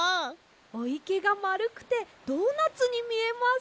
おいけがまるくてドーナツにみえます。